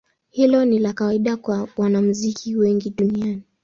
Hilo ni la kawaida kwa wanamuziki wengi duniani.